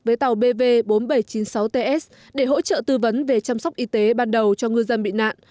với tàu bv bốn nghìn bảy trăm chín mươi sáu ts để hỗ trợ tư vấn về chăm sóc y tế ban đầu cho ngư dân bị nạn